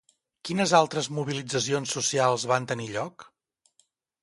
Quines altres mobilitzacions socials van tenir lloc?